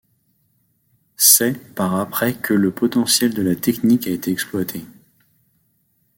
C’est par après que le potentiel de la technique a été exploité.